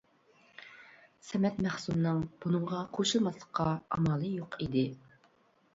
سەمەت مەخسۇمنىڭ بۇنىڭغا قوشۇلماسلىققا ئامالى يوق ئىدى.